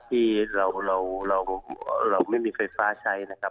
ที่เราไม่มีไฟฟ้าใช้นะครับ